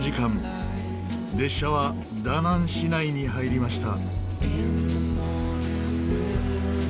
列車はダナン市内に入りました。